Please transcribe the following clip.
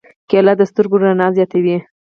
کېله د سترګو رڼا زیاتوي.